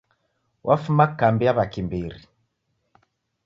Wafuma kambi ya w'akimbiri.